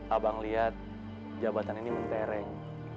abang lihat jabatan ini mentereng